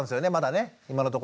今のところはね。